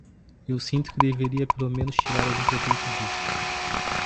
Eu sinto que deveria pelo menos tirar algum proveito disso.